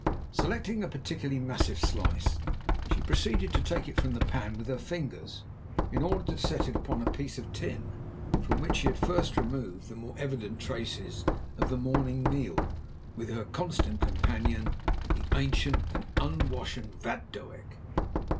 Selecting a particularly massive slice, she proceeded to take it from the pan with her fingers in order to set it upon a piece of tin, from which she had first removed the more evident traces of the morning meal with her constant companion, the ancient and unwashen vatdoek.